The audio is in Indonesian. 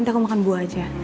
nanti aku makan buah aja